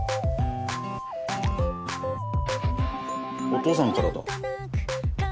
お父さんからだ。